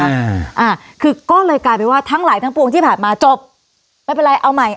อ่าอ่าคือก็เลยกลายเป็นว่าทั้งหลายทั้งปวงที่ผ่านมาจบไม่เป็นไรเอาใหม่